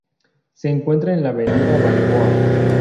Se encuentra en la Avenida Balboa.